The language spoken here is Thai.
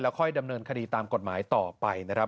ค่อยดำเนินคดีตามกฎหมายต่อไปนะครับ